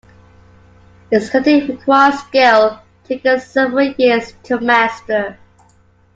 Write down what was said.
Its cutting requires skill, taking several years to master.